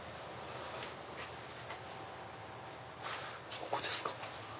ここですか。